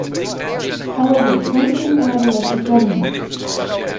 However, some do have elected governments.